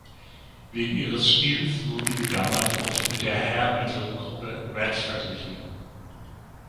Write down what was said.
Wegen ihres Stils wurden sie damals oft mit der Hair-Metal-Gruppe Ratt verglichen.